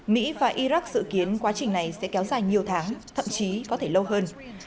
mỹ và iraq dự kiến quá trình này sẽ kéo dài nhiều tháng thậm chí có thể lâu hơn